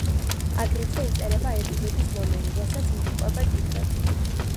აგრეთვე იწერება ეპიზოდის ნომერი, რასაც მიჰყვება ტიტრები.